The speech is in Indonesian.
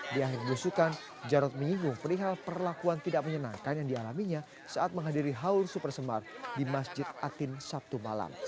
di akhir belusukan jarod menyinggung perihal perlakuan tidak menyenangkan yang dialaminya saat menghadiri haul super semar di masjid atin sabtu malam